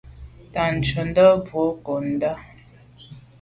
Ntan ntshètndà boa nko’ndà.